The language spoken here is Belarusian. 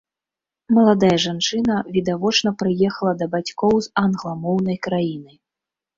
Маладая жанчына, відавочна, прыехала да бацькоў з англамоўнай краіны.